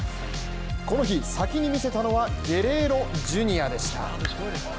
この日、先に見せたのはゲレーロＪｒ．でした。